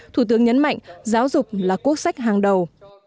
thủ tướng nhấn mạnh giáo dục là quốc sách hàng đầu